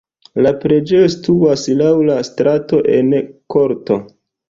La preĝejo situas laŭ la strato en korto.